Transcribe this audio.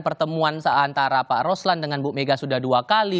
pertemuan antara pak roslan dengan bu mega sudah dua kali